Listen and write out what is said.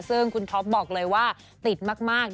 ซึ่งคุณท็อปบอกเลยว่าติดมาก